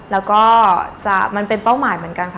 แล้วก็มันเป็นเป้าหมายเหมือนกันค่ะ